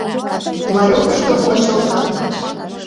Ларёкышто ончылтам.